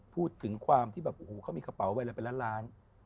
พูดถึงความที่แบบโอ้โหเขามีกระเป๋าใบละเป็นล้านล้าน